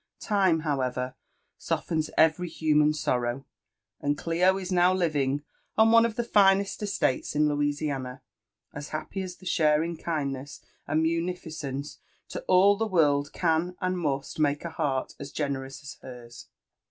Time, however, softens every human sorrow, and Clio is now living on one of the finest estates in Louisiana, as happy as the sharing kindness and munificence to all the world can and must make a heart as generous as hers.